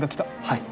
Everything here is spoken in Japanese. はい。